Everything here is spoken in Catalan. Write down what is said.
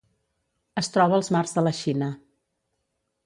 Es troba als mars de la Xina.